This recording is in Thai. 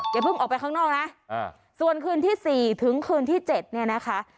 อย่าเพิ่งออกไปข้างนอกนะส่วนคืนที่๔ถึงคืนที่๗เนี่ยนะคะ